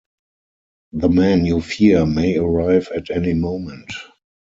The man you fear may arrive at any moment.